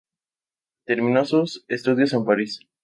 Terminó sus estudios en París.